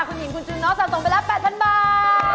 ขุนหญิงขุนอย่างชูน้องส่งไปแล้ว๘๐๐๐บาท